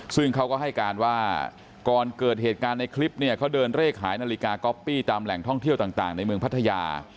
ซึ่งเขาก็ให้การว่าก่อนเกิดเหตุการณ์ในคลิปเนี่ยเขาเดินเลขขายนาฬิกาก๊อปปี้ตามแหล่งท่องเที่ยวต่างในเมืองพัทยา